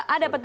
a dapat dua